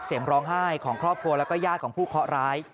เสียงร้องไห้ของครอบครัวแล้วก็ญาติของผู้เคาะร้าย